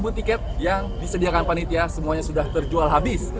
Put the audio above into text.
enam tiket yang disediakan panitia semuanya sudah terjual habis